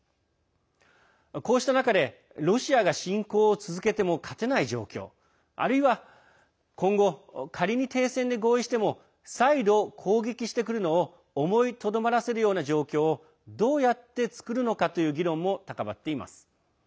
こうした中でロシアが侵攻を続けても勝てない状況あるいは今後仮に停戦で合意しても再度、攻撃してくるのを思いとどまらせるような状況をどうやって作るのかという議論も高まっています。